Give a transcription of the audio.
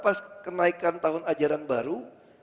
pas kenaikan tahun ajaran baru